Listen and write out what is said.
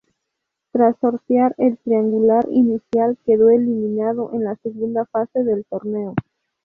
Tras sortear el triangular inicial, quedó eliminado en la segunda fase del torneo.